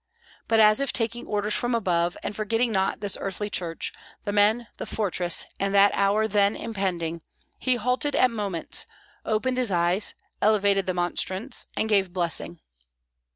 But as if taking orders from above, and forgetting not this earthly church, the men, the fortress, and that hour then impending, he halted at moments, opened his eyes, elevated the monstrance, and gave blessing.